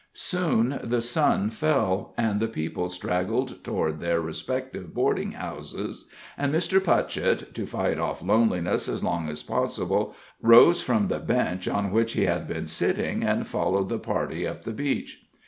Soon the sun fell, and the people straggled toward their respective boarding houses, and Mr. Putchett, to fight off loneliness as long as possible, rose from the bench on which he had been sitting and followed the party up the beach.